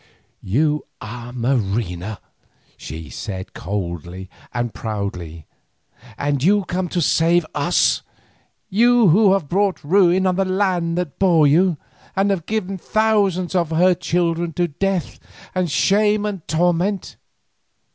"You are Marina," she said coldly and proudly, "and you come to save us, you who have brought ruin on the land that bore you, and have given thousands of her children to death, and shame, and torment.